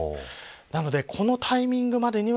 なので、このタイミングまでには